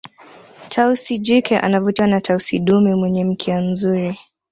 tausi jike anavutiwa na tausi dume mwenye mkia mzuri